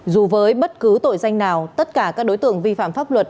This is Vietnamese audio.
dù với bất cứ tội danh nào tất cả các đối tượng vi phạm pháp luật